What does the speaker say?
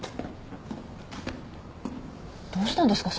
どうしたんですか？